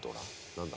何だ？